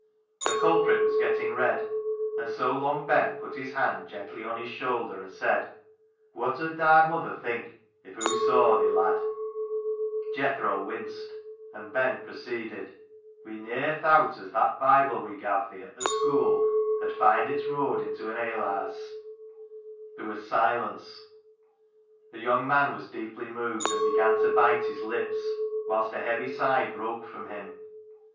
" The culprit was getting red, and so Long Ben put his hand gently on his shoulder, and said —" Wot 'ud thy mother think if hoo saw thi, lad?" THE KNOCKER UP 155 Jethro winced, and Ben proceeded —" We ne'er thowt as that Bible we gav' thi at th' schoo' 'ud find its road into a alehaase." There was silence; the young man was deeply moved, and began to bite his lips, whilst a heavy sigh broke from him.